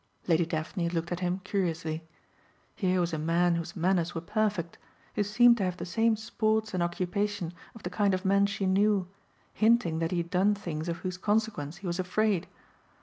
Lady Daphne looked at him curiously. Here was a man whose manners were perfect, who seemed to have the same sports and occupation of the kind of men she knew hinting that he had done things of whose consequence he was afraid.